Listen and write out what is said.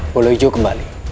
bulu hijau kembali